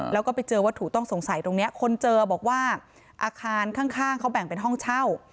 แล้วก็ไปเจอวัตถุต้องสงสัยตรงนี้คนเจอบอกว่าอาคารข้างเขาแบ่งเป็นห้องเช่า